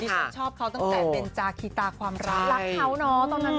ฉันชอบเขาตั้งแต่เป็นจาคีตาความรักรักเขาเนอะตอนนั้น